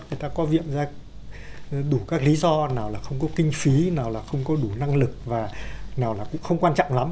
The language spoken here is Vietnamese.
người ta có viện ra đủ các lý do nào là không có kinh phí nào là không có đủ năng lực và nào là cũng không quan trọng lắm